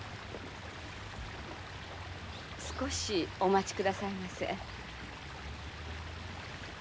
少しお待ちくださいませ。